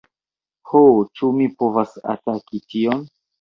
Ho, ĉu mi povas ataki tion?